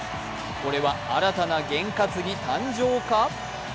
これは新たな験担ぎ誕生か？